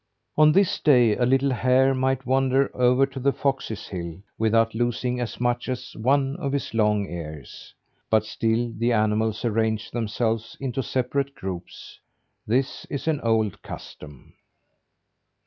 On this day a little hare might wander over to the foxes' hill, without losing as much as one of his long ears. But still the animals arrange themselves into separate groups. This is an old custom.